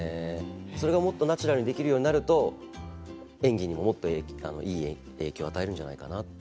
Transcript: それがもっとナチュラルにできるようになると演技にももっといい影響を与えるんじゃないかなって。